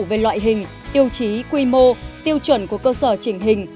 về loại hình tiêu chí quy mô tiêu chuẩn của cơ sở trình hình